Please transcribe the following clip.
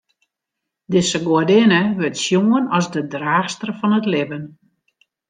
Dizze goadinne wurdt sjoen as de draachster fan it libben.